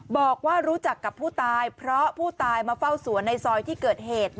บอกว่ารู้จักกับผู้ตายเพราะผู้ตายมาเฝ้าสวนในซอยที่เกิดเหตุ